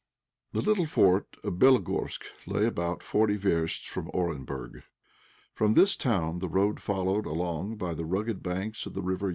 The little fort of Bélogorsk lay about forty versts from Orenburg. From this town the road followed along by the rugged banks of the R.